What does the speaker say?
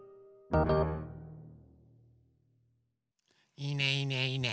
いいねいいねいいね。